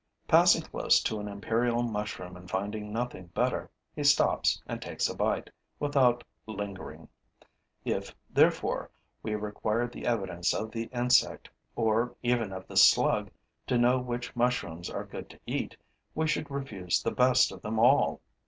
Passing close to an imperial mushroom and finding nothing better, he stops and takes a bite, without lingering. If, therefore, we required the evidence of the insect, or even of the Slug, to know which mushrooms are good to eat, we should refuse the best of them all.